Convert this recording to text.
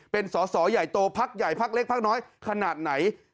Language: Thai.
เป็นสอสอใหญ่โตพักใหญ่พักเล็กพักน้อยขนาดไหน